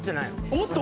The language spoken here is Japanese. おっと？